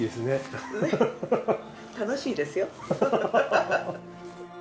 ねっ楽しいですよ。